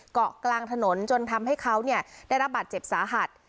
เกาะกลางถนนจนทำให้เขาได้รับบาดเจ็บสาหัส